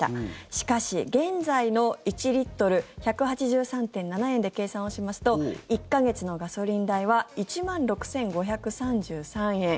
しかし、現在の１リットル１８３．７円で計算をしますと１か月のガソリン代は１万６５３３円。